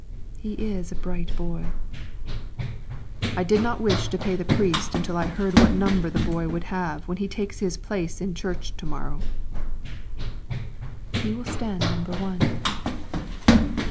"He is a bright boy." "I did not wish to pay the priest until I heard what number the boy would have when he takes his place in church to morrow." "He will stand Number One."